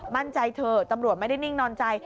มั่นใจเถอะตำรวจไม่ได้นิ่งนอนใจ